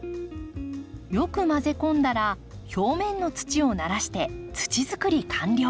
よく混ぜ込んだら表面の土をならして土づくり完了。